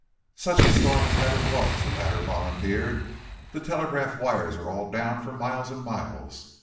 "Such a storm as never was," the latter volunteered. "The telegraph wires are all down for miles and miles.